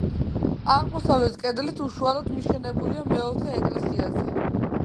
აღმოსავლეთ კედლით უშუალოდ მიშენებულია მეოთხე ეკლესიაზე.